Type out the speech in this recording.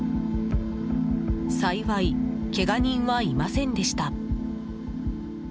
幸い、けが人はいませんでした。